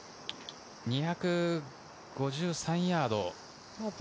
２５３ヤード。